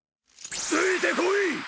ついてこい！